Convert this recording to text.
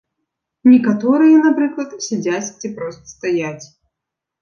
Некаторыя, напрыклад, сядзяць ці проста стаяць.